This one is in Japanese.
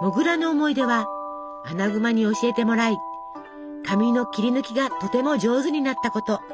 モグラの思い出はアナグマに教えてもらい紙の切り抜きがとても上手になったこと。